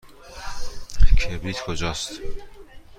کبریت کجاست؟